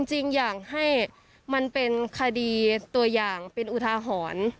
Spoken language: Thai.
จริงอยากให้มันเป็นคดีตัวอย่างเป็นอุทาหรณ์